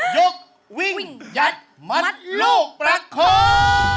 ยกวิ่งยัดมัดลูกประคอง